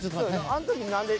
あん時何で？